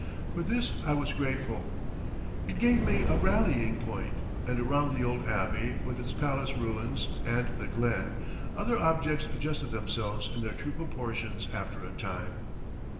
For this I was grateful. It gave me a rallying point, and around the old Abbey, with its Palace ruins and the Glen, other objects adjusted themselves in their true proportions after a time.